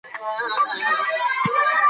موږ به د خپل هوډ لپاره قرباني ورکوو.